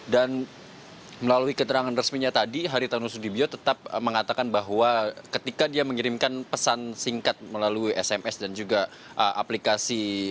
melalui keterangan resminya tadi haritanu sudibyo tetap mengatakan bahwa ketika dia mengirimkan pesan singkat melalui sms dan juga aplikasi